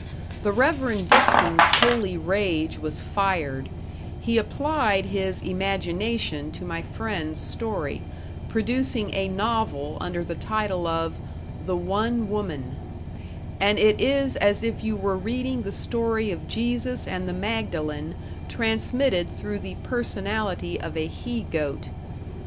The Reverend Dixon's holy rage was fired; he applied his imagination to my friend's story, producing a novel under the title of "The One Woman"; and it is as if you were reading the story of Jesus and the Magdalen transmitted through the personality of a he goat.